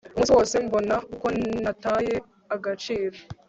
umunsi wose mbona uko nataye agaciro